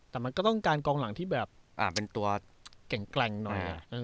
แต่มันก็ต้องการกองหลังที่แบบเป็นตัวแกร่งหน่อย